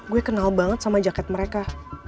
gue kenal banget sama jaket mereka